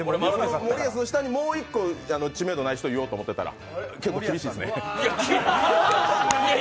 もりやすの下にもう一個知名度ない人を言おうとしたら結構、厳しいっすね。